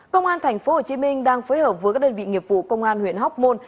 công an tp hcm đang phối hợp với các đơn vị nghiệp vụ công an huyện hóc môn